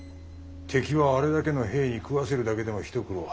敵はあれだけの兵に食わせるだけでも一苦労。